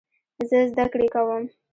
زه زده کړې کوم.